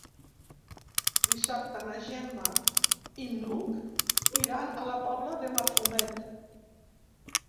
Dissabte na Gemma i n'Hug iran a la Pobla de Mafumet.